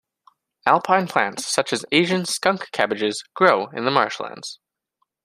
Alpine plants such as Asian skunk cabbages grow in the marshland.